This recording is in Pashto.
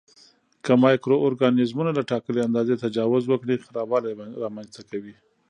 که مایکرو ارګانیزمونه له ټاکلي اندازې تجاوز وکړي خرابوالی رامینځته کوي.